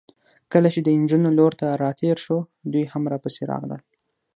کله چې د نجونو لور ته راتېر شوو، دوی هم راپسې راغلل.